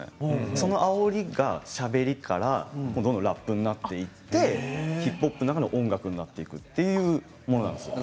そのあおりがしゃべりからラップになっていってヒップホップの中の音楽になっていくというものなんですよ。